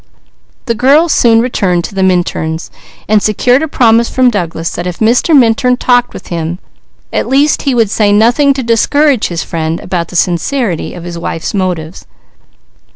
The girl soon returned to the Minturns and secured a promise from Douglas that if Mr. Minturn talked with him, at least he would say nothing to discourage his friend about the sincerity of his wife's motives.